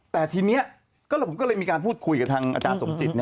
แต่ทีนี้ผมก็เลยมีการพูดคุยกับทางอาจารย์สมจิต